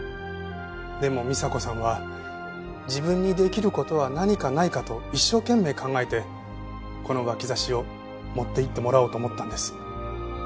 でも美沙子さんは自分にできる事は何かないかと一生懸命考えてこの脇差しを持っていってもらおうと思ったんです。